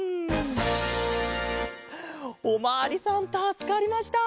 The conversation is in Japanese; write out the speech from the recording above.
おまわりさんたすかりました。